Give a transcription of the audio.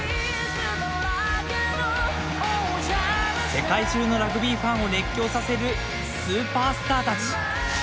世界中のラグビーファンを熱狂させるスーパースターたち。